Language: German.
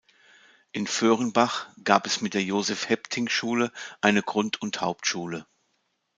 In Vöhrenbach gab es mit der "Josef-Hebting-Schule" eine Grund- und Hauptschule.